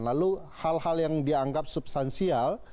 lalu hal hal yang dianggap substansial